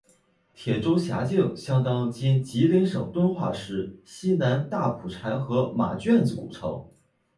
铁州辖境相当今吉林省敦化市西南大蒲柴河马圈子古城。